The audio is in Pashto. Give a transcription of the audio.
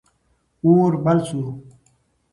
اور بل سو.